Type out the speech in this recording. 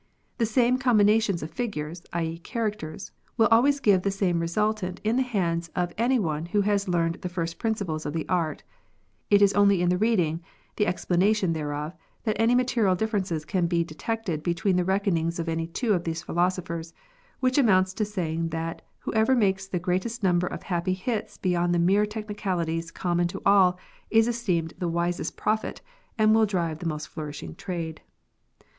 The same com binations of figures, i.e., characters, will always give the same resultant in .the hands of any one who has learned the first principles of his art ; it is only in the reading, the explanation thereof, that any material difference can be detected between the reckonings of any two of these philosophers, which amounts to saying that whoever makes the greatest number of happy hits beyond the mere technicalities common to all, is esteemed the wisest prophet and will drive the most flourishing trade.